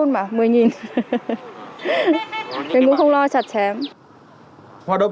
mình cũng không lo chặt chém